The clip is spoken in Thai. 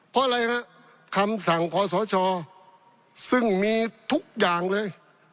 เพราะอะไรฮะคำสั่งขอสชซึ่งมีทุกอย่างเลย